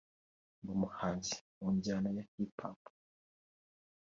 ni umuhanzi mu njyana ya Hip Hop